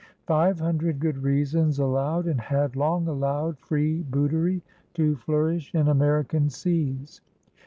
Five hundred good reasons allowed, and had long allowed, freebootery to flourish in American seas.